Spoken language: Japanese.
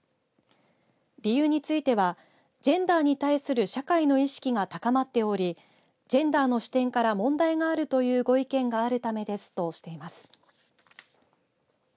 理由についてはジェンダーに対する社会の意識が高まっておりジェンダーの視点から問題があるというご意見があるためです。としています。